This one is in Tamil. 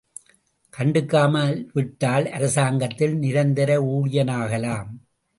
கண்டுக்காமல் விட்டால் அரசாங்கத்தில் நிரந்தர ஊழியனாகலாம்.